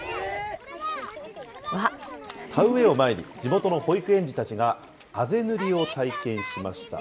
田植えを前に、地元の保育園児たちがあぜ塗りを体験しました。